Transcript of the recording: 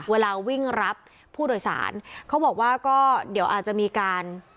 เวลาวิ่งรับผู้โดยสารเขาบอกว่าก็เดี๋ยวอาจจะมีการ